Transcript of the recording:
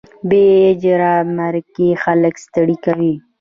بې اجره مرکې خلک ستړي کوي.